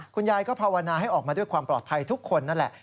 คุณยายก็ภาวนาให้ออกมาด้วยความปลอดภัยทุกคนนั่นแหละ